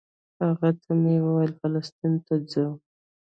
هغه ته مې ویل فلسطین ته ځو.